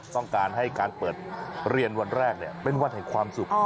ต้องการให้การเปิดเรียนวันแรกเป็นวันแห่งความสุข